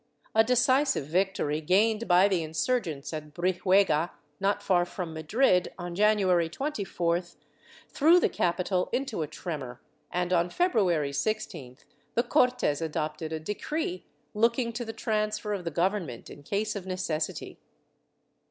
A decisive victory gained by the insurgents at Brihuega, not far from Madrid, on January 24th, threw the capital into a tremor and, on February 16th, the Cortes adopted a decree looking to the transfer of the Government in case of necessity.